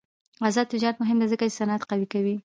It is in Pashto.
آزاد تجارت مهم دی ځکه چې صنعت قوي کوي.